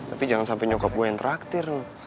tapi jangan sampai nyokap gue yang traktir